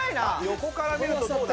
横から見るとどうだ？